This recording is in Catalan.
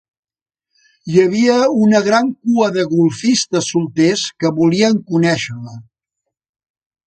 Hi havia una gran cua de golfistes solters que volien conèixer-la.